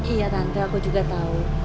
iya tante aku juga tau